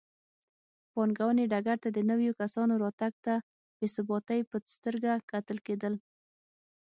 پانګونې ډګر ته د نویو کسانو راتګ ته بې ثباتۍ په سترګه کتل کېدل.